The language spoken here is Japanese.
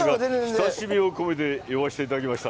親しみを込めて呼ばせていただきました。